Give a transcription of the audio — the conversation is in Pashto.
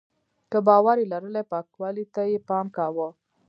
که باور یې لرلی پاکوالي ته یې پام کاوه.